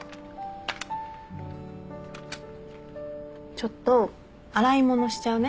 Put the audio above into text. ちょっと洗い物しちゃうね。